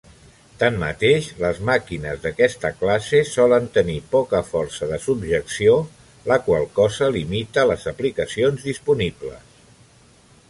Tanmateix, les màquines d'aquesta classe solen tenir poca força de subjecció, la qual cosa limita les aplicacions disponibles.